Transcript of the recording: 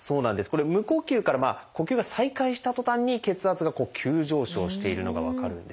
これ無呼吸から呼吸が再開したとたんに血圧が急上昇しているのが分かるんです。